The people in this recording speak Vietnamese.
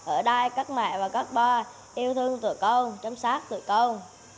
ở đây các mẹ và các ba yêu thương tụi con chăm sóc tụi con